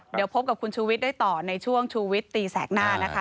เดี๋ยวพบกับคุณชูวิทย์ได้ต่อในช่วงชูวิตตีแสกหน้านะคะ